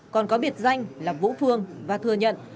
còn có biệt danh là vũ phương và thừa nhận